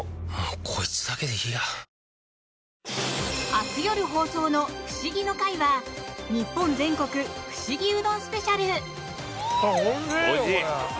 明日夜放送の「フシギの会」は日本全国フシギうどんスペシャル！